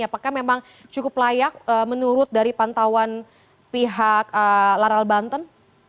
apakah memang cukup layak menurut dari pantauan pihak laral banten